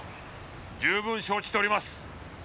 十分承知しております。